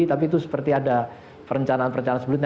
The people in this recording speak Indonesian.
tapi itu seperti ada perencanaan perencanaan sebelumnya